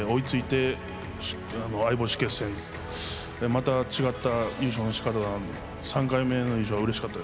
また違った優勝のしかたなんで３回目の優勝はうれしかったですね。